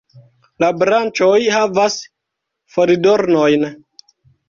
La branĉoj havas folidornojn.